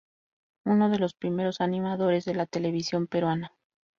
Uno de los primeros animadores de la televisión peruana.